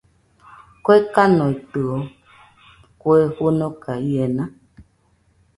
¿Kue kanoitɨo, kue fɨnoka iena?